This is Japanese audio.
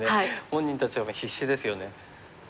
本人たちは必死ですよね。